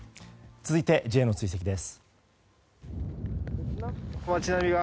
続いて、Ｊの追跡です。